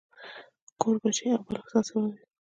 کوربچې او بالښتان سموي.